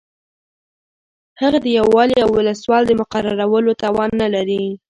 هغه د یو والي او ولسوال د مقررولو توان نه لري.